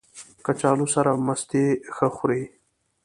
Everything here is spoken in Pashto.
کچالو سره مستې ښه خوري